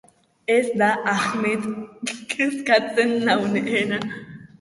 Ez da Ahmet kezkatzen nauena.